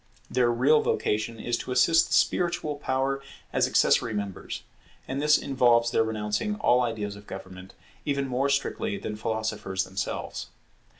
Their real vocation is to assist the spiritual power as accessory members; and this involves their renouncing all ideas of government, even more strictly than philosophers themselves.